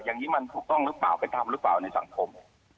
อย่างนี้ปรูกต้องรึเปล่าเป็นธรรมรึเปล่าในสังคม